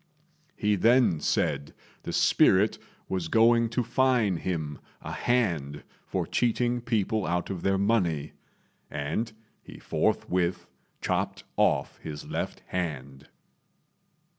He then said the spirit was going to fine him a hand for cheating people out of their money; and he forthwith chopped off his left hand.